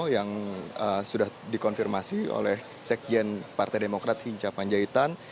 yang sudah dikonfirmasi oleh sekjen partai demokrat hinca panjaitan